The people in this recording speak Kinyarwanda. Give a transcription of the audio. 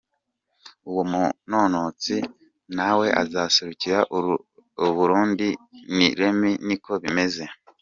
Uwo munonotsi nawe azoserukira Uburundi ni Remy Nikobimeze.